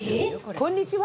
こんにちは。